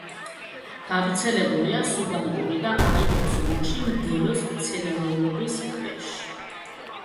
გავრცელებულია სუბალპური და ალპურ ზონაში მდელოს მცენარეულობის ქვეშ.